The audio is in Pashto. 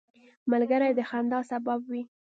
ملګری د خندا سبب وي